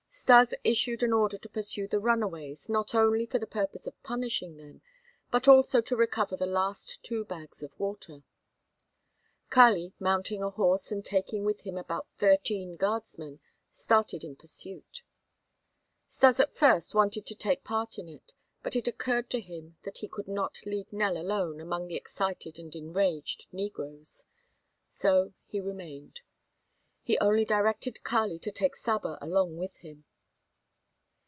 Stas issued an order to pursue the runaways not only for the purpose of punishing them, but also to recover the last two bags of water. Kali, mounting a horse and taking with him about thirteen guardsmen, started in pursuit. Stas at first wanted to take part in it, but it occurred to him that he could not leave Nell alone among the excited and enraged negroes; so he remained. He only directed Kali to take Saba along with him.